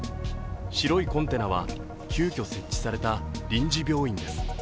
白いコンテナは急きょ設置された臨時病院です。